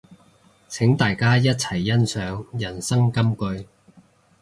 請大家一齊欣賞人生金句